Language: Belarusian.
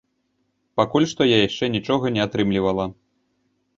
Пакуль што я яшчэ нічога не атрымлівала.